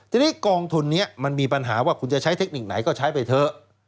ทีนี้กองทุนนี้มันมีปัญหาว่าคุณจะใช้เทคนิคไหนก็ใช้ไปเถอะ